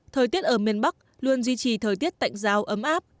thời tiết ở miền bắc luôn duy trì thời tiết tạnh giáo ấm áp